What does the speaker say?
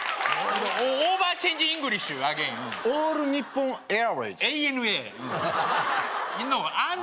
オーバーチェンジイングリッシュアゲインオールニッポンエアウェイズＡＮＡ「アナ」